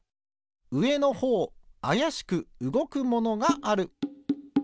うえのほうあやしくうごくものがある。